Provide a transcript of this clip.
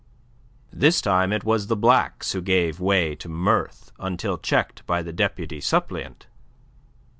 This time it was the Blacks who gave way to mirth, until checked by the deputy suppleant.